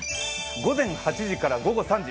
午前８時から午後３時。